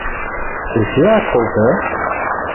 – Эче ат колты?!